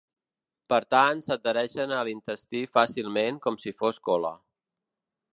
Per tant s’adhereixen a l’intestí fàcilment com si fos cola.